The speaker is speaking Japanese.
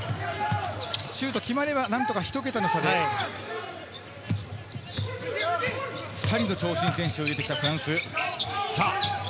シュート決まれば何とかひと桁の差で２人の長身選手を入れてきたフランス。